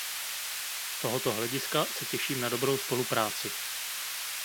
Z tohoto hlediska se těším na dobrou spolupráci.